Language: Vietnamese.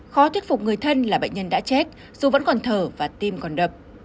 khó thuyết phục người thân là bệnh nhân đã chết dù vẫn còn thở và tim còn đập